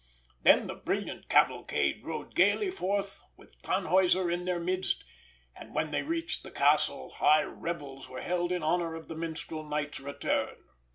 Then the brilliant cavalcade rode gaily forward with Tannhäuser in their midst, and when they reached the castle, high revels were held in honour of the Minstrel Knight's return.